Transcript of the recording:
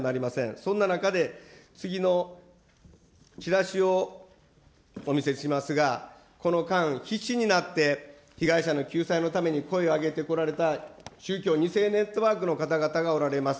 そんな中で、次のチラシをお見せしますが、この間、必死になって被害者の救済のために声を上げてこられた宗教２世ネットワークの方々がおられます。